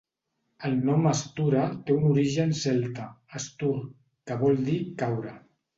El nom Stura té un origen celta: "stur", que vol dir "caure".